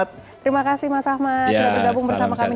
terima kasih mas ahmad